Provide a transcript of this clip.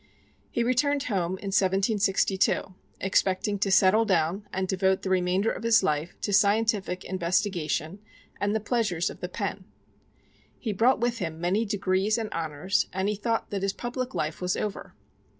He returned home in 1762, expecting to settle down and devote the remainder of his life to scientific investigation and the pleasures of the pen. He brought with him many degrees and honors, and he thought that his public life was over.